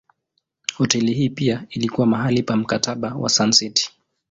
Hoteli hii pia ilikuwa mahali pa Mkataba wa Sun City.